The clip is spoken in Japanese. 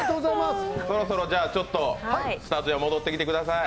そろそろ、じゃあスタジオ戻ってきてください。